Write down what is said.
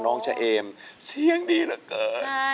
น้องเฉียมเสียงดีเหลือเกิน